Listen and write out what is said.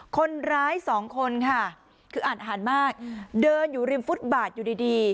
คนร้ายสองคนค่ะคืออ่านมากเดินอยู่ริมฟุตบาทอยู่ดีดี